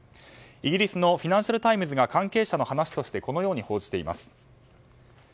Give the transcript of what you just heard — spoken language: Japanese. イギリスのフィナンシャル・タイムズが関係者の話としてこのように報じています。